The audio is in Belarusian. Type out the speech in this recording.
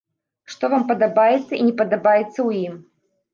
Што вам падабаецца і не падабаецца ў ім?